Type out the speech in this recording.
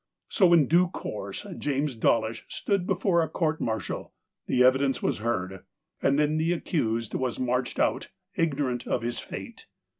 So in due course James Dawlish stood be fore a court martial. The evidence was heard, and then the accused was marched out, ignorant of his fate.